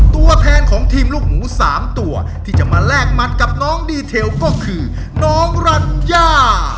ตัวแทนของทีมลูกหมู๓ตัวที่จะมาแลกหมัดกับน้องดีเทลก็คือน้องรัญญา